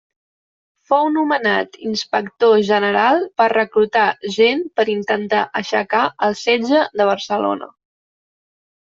Fou nomenat inspector general per reclutar gent per intentar aixecar el setge de Barcelona.